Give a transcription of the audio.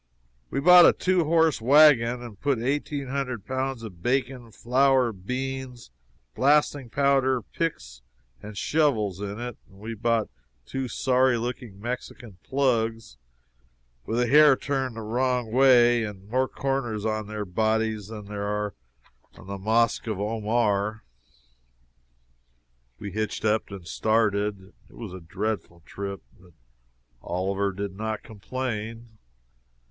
We bought a two horse wagon and put eighteen hundred pounds of bacon, flour, beans, blasting powder, picks and shovels in it; we bought two sorry looking Mexican "plugs," with the hair turned the wrong way and more corners on their bodies than there are on the mosque of Omar; we hitched up and started. It was a dreadful trip. But Oliver did not complain.